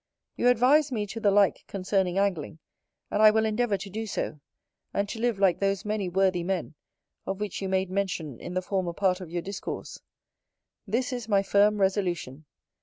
You advised me to the like concerning Angling, and I will endeavour to do so; and to live like those many worthy men, of which you made mention in the former part of your discourse. This is my firm resolution.